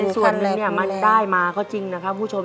ส่วนหนึ่งมันได้มาก็จริงนะครับคุณผู้ชม